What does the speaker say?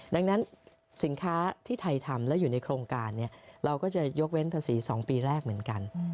ดังนั้นสินค้าที่ไทยทำแล้วอยู่ในโครงการเราก็จะยกเว้นภาษี๒ปีแรกเหมือนกัน